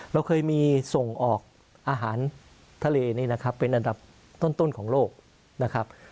เราเคยมีส่งออกอาหารทะเลนี่นะครับเป็นอันดับต้นของโลกนะครับ